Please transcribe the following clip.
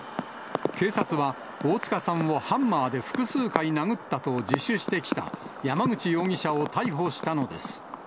警察は大塚さんをハンマーで複数回殴ったと自首してきた山口容疑者を逮捕したのです。